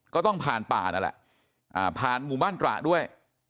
ก็ต้องผ่านป่านั่นแหละผ่านหมู่บ้านตระด้วย